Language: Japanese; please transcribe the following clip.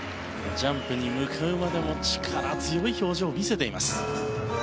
ジャンプに向かうまでも力強い表情を見せています。